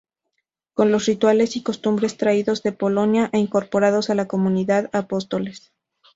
Con los rituales y costumbres traídos de Polonia e incorporados a la comunidad Apóstoles.